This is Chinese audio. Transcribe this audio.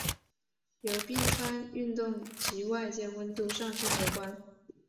由冰川运动及外界温度上升有关。